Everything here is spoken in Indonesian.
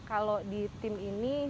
kalau di tim ini